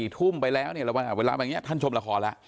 ๔ทุ่มไปแล้วเวลาแบบนี้ท่านชมละครละ